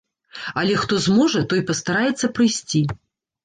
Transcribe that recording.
Але хто зможа, той пастараецца прыйсці.